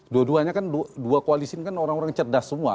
dua duanya kan dua koalisi ini kan orang orang cerdas semua